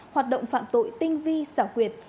hoạt động phạm tội tinh vi xảo quyệt